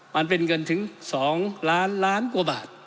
มันเป็นเงินถึง๒ล้านล้านกว่าบาท